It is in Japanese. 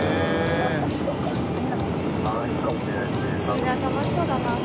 いいな楽しそうだな。